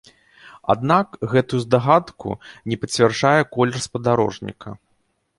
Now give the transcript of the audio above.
Аднак, гэтую здагадку не пацвярджае колер спадарожніка.